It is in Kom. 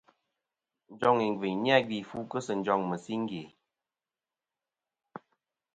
Njoŋ ìngviyn ni-a gvi fu kɨ sɨ njoŋ mɨ̀singe.